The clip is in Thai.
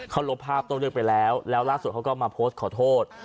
เขาลบภาพโต้เลือกไปแล้วแล้วล่าสุดเขาก็มาโพสต์ขอโทษ